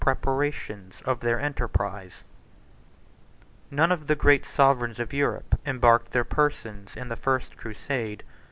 Events Of The First Crusade] None of the great sovereigns of Europe embarked their persons in the first crusade.